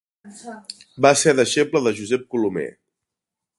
Va ser deixeble de Josep Colomer.